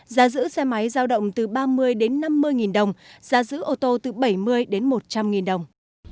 giá giữ xe máy giao động từ ba mươi năm mươi đồng giá giữ ô tô từ bảy mươi một trăm linh đồng